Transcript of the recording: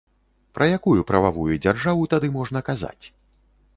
Пра якую прававую дзяржаву тады можна казаць?